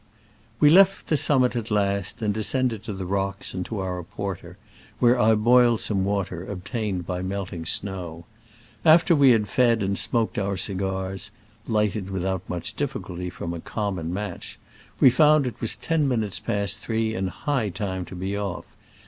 We left the summit at last, and de scended to the rocks and to our porter, where I boiled some water, obtained by melting snow. After we had fed and smoked our cigars (lighted without diffi culty from a common match), we found it was ten minutes past three, and high time to be off.